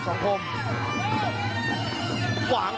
ผวังด้วยซ้าย